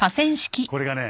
これがね